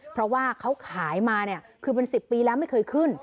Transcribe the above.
เพราะว่าเขาขายมาเนี่ยคือเป็น๑๐ปีแล้วไม่เคยขึ้น